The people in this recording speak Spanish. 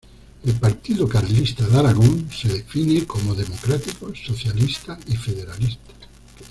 El Partido Carlista de Aragón se define como "democrático, socialista y federalista".